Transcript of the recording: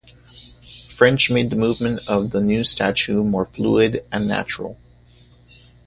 French made the movement of the new statue more fluid and natural.